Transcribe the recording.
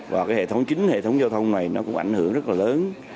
và cái hệ thống chính hệ thống giao thông này nó cũng ảnh hưởng rất là lớn